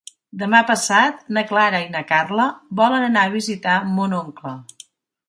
Demà passat na Clara i na Carla volen anar a visitar mon oncle.